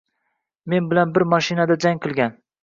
Men bilan bir mashinada jang qilgan